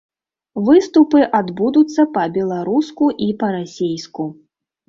Выступы адбудуцца па-беларуску і па-расейску.